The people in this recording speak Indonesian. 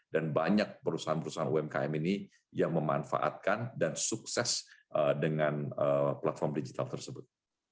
dan banyak perusahaan perusahaan umkm ini yang memanfaatkan dan sukses dengan platform digital tersebut